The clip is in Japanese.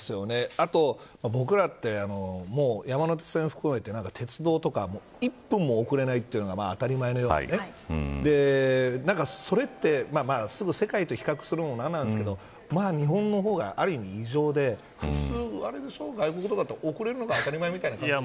あと僕らって山手線を含めて鉄道とか１分も遅れないのが当たり前のようにそれって、すぐ世界と比較するのも何なんですけど日本の方が異常で普通外国とかって遅れるのが当たり前みたいな感じでしょ。